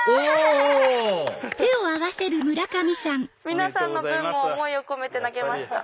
皆さんの分も思いを込めて投げました。